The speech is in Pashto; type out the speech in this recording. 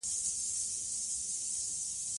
که څرخ وي نو بار نه درندیږي.